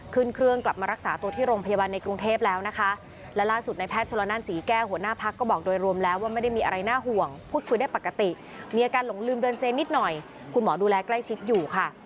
ขึ้นเครื่องกลับมารักษาตัวที่โรงพยาบาลในกรุงเทพแล้วนะคะและล่าสุดในแพทย์ชนละนั่นศรีแก้หัวหน้าพักก็บอกโดยรวมแล้วว่าไม่ได้มีอะไรน่าห่วงพูดคุยได้ปกติมีอาการหลงลืมเดินเซนิดหน่อยคุณหมอดูแลใกล้ชิดอยู่ค่ะ